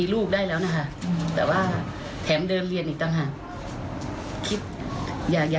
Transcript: ครูมาตรวจทั้งตัวเองกับเพื่อนก็หลืมไม่ได้ใส่เสื้อซับในมา